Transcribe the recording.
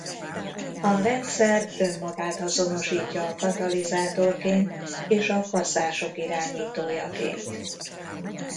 A rendszer önmagát azonosítja a Katalizátorként és a Kaszások irányítójaként.